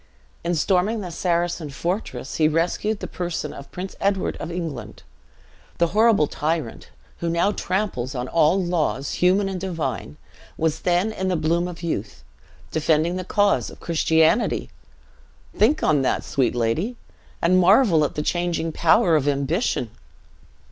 In storming a Saracen fortress, he rescued the person of Prince Edward of England. The horrible tyrant, who now tramples on all laws, human and divine, was then in the bloom of youth, defending the cause of Christianity! Think on that, sweet lady, and marvel at the changing power of ambition!